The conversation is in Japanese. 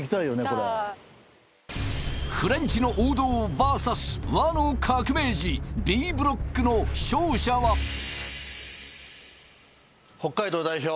これフレンチの王道バーサス和の革命児Ｂブロックの勝者は北海道代表